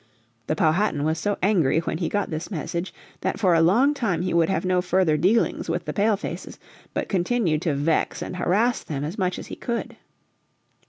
The Powhatan was so angry when he got this message that for a long time he would have no further dealings with the Pale faces, but continued to vex and harass them as much as he could.